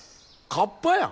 カッパやん。